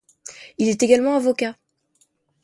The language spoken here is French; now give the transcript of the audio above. Il est également avocat.